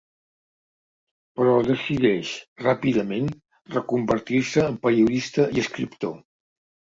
Però decideix ràpidament reconvertir-se en periodista i escriptor.